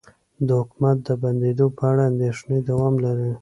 د حکومت د بندیدو په اړه اندیښنې دوام لري